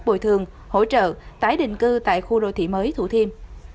bồi thường hỗ trợ tái định cư tại khu đô thị mới thủ thiêm